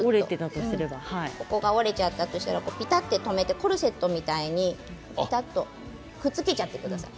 ここが折れちゃったとしたらぴたっと留めてコルセットみたいにぴたっとくっつけてください。